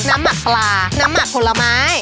น้ำหมัดกลาน้ำหมัดผลไม้